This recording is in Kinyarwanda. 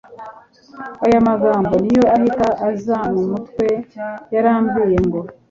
ayo magambo niyo ahita anza mu mutwe yarambwiye ngo